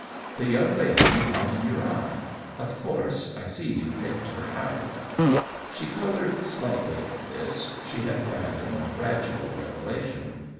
'* The young lady you have in your eye. ( )f course I see you've picked her out." She colored slightly at this — she had pliinned a more gradual revelation.